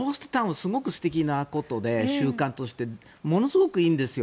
すごく素敵なことで、習慣としてものすごくいいんですよ。